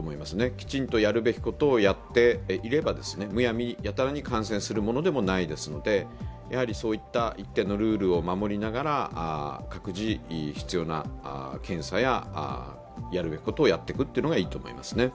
きちんとやるべきことをやっていれば、むやみやたらに感染するものでもないですのでそういった一定のルールを守りながら、各自、必要な検査や、やるべきことをやっていくというのがいいと思いますね。